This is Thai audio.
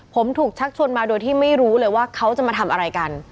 ผมถูกชักชวนมาโดยที่ไม่รู้เลยว่าเขาจะมาทำอะไรกัน